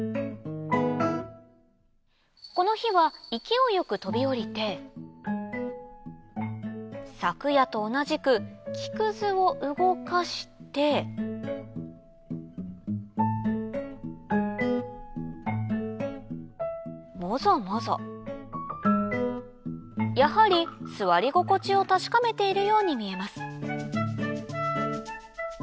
この日は勢いよく飛び降りて昨夜と同じく木くずを動かしてモゾモゾやはり座り心地を確かめているように見えます